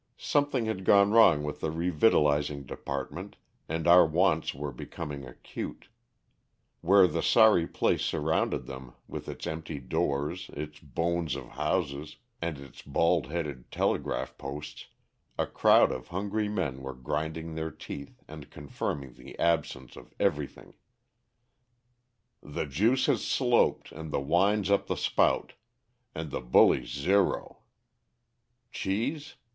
Something had gone wrong with the revictualing department and our wants were becoming acute. Where the sorry place surrounded them, with its empty doors, its bones of houses, and its bald headed telegraph posts, a crowd of hungry men were grinding their teeth and confirming the absence of everything: "The juice has sloped and the wine's up the spout, and the bully's zero. Cheese?